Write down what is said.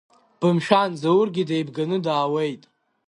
Бымшәан, Заургьы деибганы даауеит.